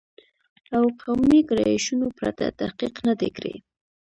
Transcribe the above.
او قومي ګرایشونو پرته تحقیق نه دی کړی